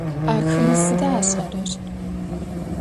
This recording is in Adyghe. Ахэмэ сыда ашӏэрэр?